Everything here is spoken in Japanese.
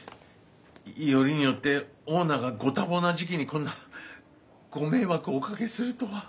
よりによってオーナーがご多忙な時期にこんなご迷惑をおかけするとは。